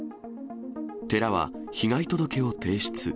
寺は、被害届を提出。